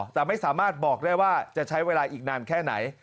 แต่ไม่สามารถบอกได้ว่าจะใช้เวลาอีกนานแค่ไหน